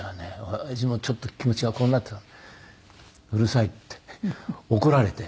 親父もちょっと気持ちがこうなっていたんで「うるさい」って怒られて。